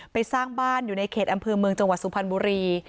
สร้างบ้านอยู่ในเขตอำเภอเมืองจังหวัดสุพรรณบุรี